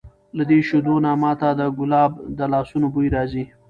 له دې شیدو نه ما ته د کلاب د لاسونو بوی راځي!